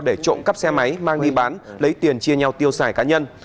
để trộm cắp xe máy mang đi bán lấy tiền chia nhau tiêu xài cá nhân